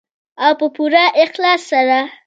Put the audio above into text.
او په پوره اخلاص سره.